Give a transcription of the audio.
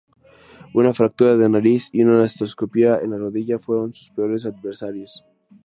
Una fractura de nariz y una artroscopia en la rodilla fueron sus peores adversarios.